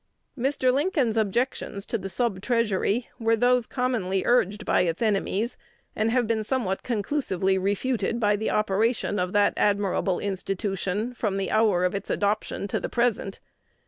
Mr. Lincoln's objections to the Sub Treasury were those commonly urged by its enemies, and have been somewhat conclusively refuted by the operation of that admirable institution from the hour of its adoption to the present.